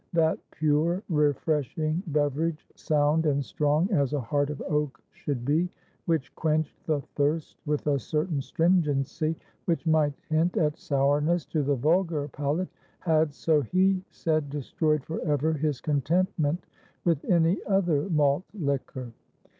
That pure, refreshing beverage, sound and strong as a heart of oak should be, which quenched the thirst with a certain stringency which might hint at sourness to the vulgar palate, had—so he said—destroyed for ever his contentment with any other malt liquor.